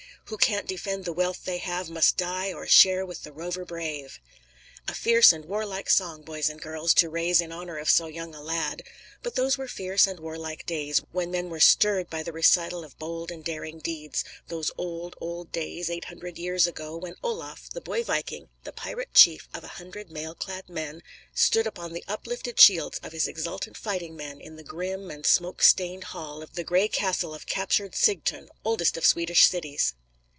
Who can't defend the wealth they have Must die or share with the rover brave!" A fierce and warlike song, boys and girls, to raise in honor of so young a lad. But those were fierce and warlike days when men were stirred by the recital of bold and daring deeds those old, old days, eight hundred years ago, when Olaf, the boy viking, the pirate chief of a hundred mail clad men, stood upon the uplifted shields of his exultant fighting men in the grim and smoke stained hall of the gray castle of captured Sigtun, oldest of Swedish cities.